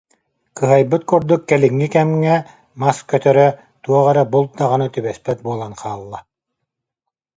Кыһайбыт курдук кэлиҥҥи кэмҥэ мас көтөрө, туох эмэ булт даҕаны түбэспэт буолан хаалла